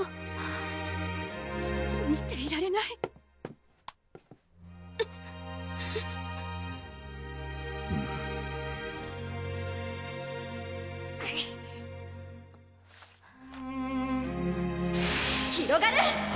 見ていられないひろがる！